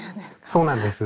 そうなんです。